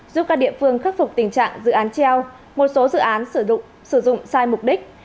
giúp các địa phương khắc phục tình trạng dự án treo một số dự án sử dụng sai mục đích